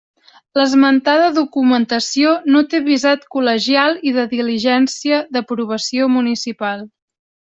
L'esmentada documentació no té visat col·legial i de diligència d'aprovació municipal.